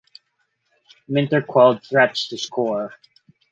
Minter quelled threats to score.